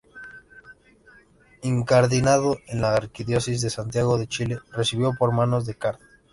Incardinado en la arquidiócesis de Santiago de Chile, recibió por manos del Card.